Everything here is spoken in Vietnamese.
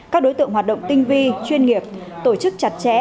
các đối tượng hoạt động tinh vi chuyên nghiệp tổ chức chặt chẽ